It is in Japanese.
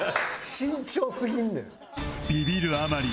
慎重すぎんねん。